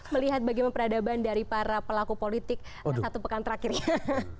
melihat bagaimana peradaban dari para pelaku politik satu pekan terakhir ini